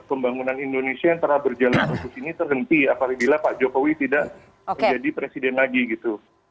pembangunan indonesia yang telah berjalan khusus ini terhenti apabila pak jokowi tidak menjadi presiden lagi gitu